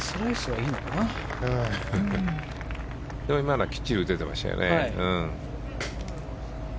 今のはきっちり打ててましたよね。